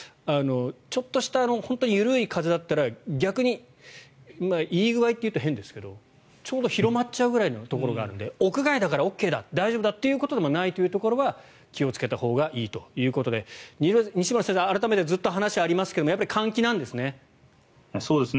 ちょっとした緩い風だったら逆に、いい具合というと変ですがちょうど広まっちゃうぐらいのところがあるので屋外だからＯＫだ大丈夫だということではないということは気をつけたほうがいいということで西村先生、改めてずっと話がありますがやっぱり換気なんですね。